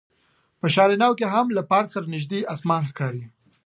په شهر نو کې هم له پارک سره نژدې اسمان ښکاري.